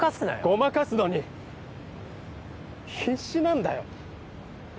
ごまかすのに必死なんだよ。